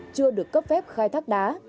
chưa được cấp phép khai thác đá